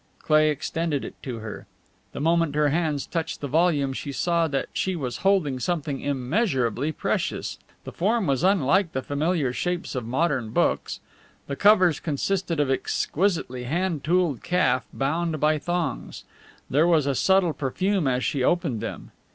Cleigh extended it to her. The moment her hands touched the volume she saw that she was holding something immeasurably precious. The form was unlike the familiar shapes of modern books. The covers consisted of exquisitely hand tooled calf bound by thongs; there was a subtle perfume as she opened them.